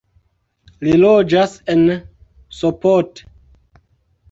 Li loĝas en Sopot.